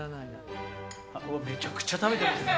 めちゃくちゃ食べてますね。